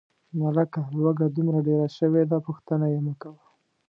ملکه لوږه دومره ډېره شوې ده، پوښتنه یې مکوه.